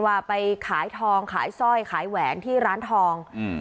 ว่าไปขายทองขายสร้อยขายแหวนที่ร้านทองอืม